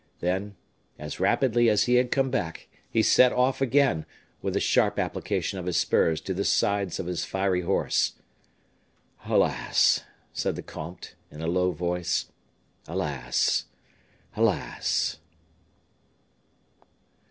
Then, as rapidly as he had come back, he set off again, with a sharp application of his spurs to the sides of his fiery horse. "Alas!" said the comte, in a low voice, "alas! alas!"